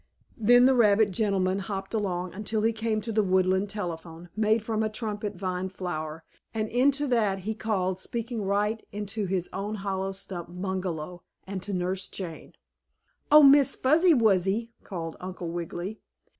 Then the rabbit gentleman hopped along until he came to a woodland telephone, made from a trumpet vine flower, and into that he called, speaking right into his own hollow stump bungalow and to Nurse Jane. "Oh, Miss Fuzzy Wuzzy!" called Uncle Wiggily.